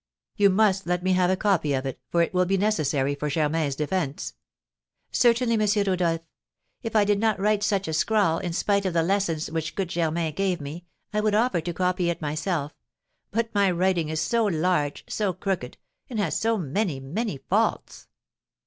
You must let me have a copy of it, for it will be necessary for Germain's defence." "Certainly, M. Rodolph. If I did not write such a scrawl, in spite of the lessons which good Germain gave me, I would offer to copy it myself; but my writing is so large, so crooked, and has so many, many faults."